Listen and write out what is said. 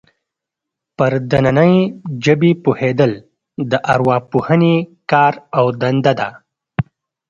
پر دنننۍ ژبې پوهېدل د ارواپوهنې کار او دنده ده